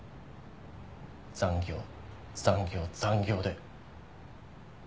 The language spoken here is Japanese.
残業残業残業で。